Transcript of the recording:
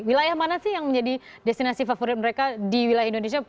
wilayah mana sih yang menjadi destinasi favorit mereka di wilayah indonesia